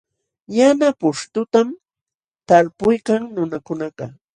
Yana pushtutam talpuykan nunakunakaq.